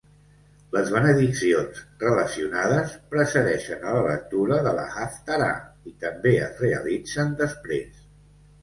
Les benediccions relacionades precedeixen a la lectura de la Haftarà i també es realitzen després.